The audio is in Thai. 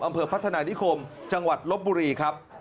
อำเภอพัฒนานิคมจังหวัดลบบุรีครับ